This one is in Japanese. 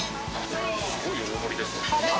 すごい大盛りですよね。